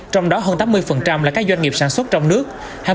trong đó hơn tám mươi là các doanh nghiệp sản xuất trong nước